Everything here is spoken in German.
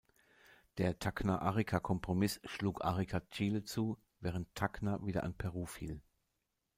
Der "Tacna-Arica-Kompromiss" schlug Arica Chile zu, während Tacna wieder an Peru fiel.